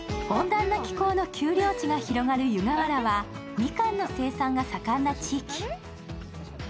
温暖な気候の丘陵地が広がる湯河原はみかんの生産が盛んな地域。